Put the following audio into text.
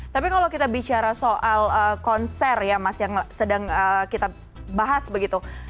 tapi kalau kita bicara soal konser ya mas yang sedang kita bahas begitu